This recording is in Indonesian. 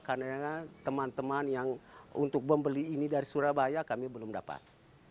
karena teman teman yang untuk membeli ini dari surabaya kami belum dapat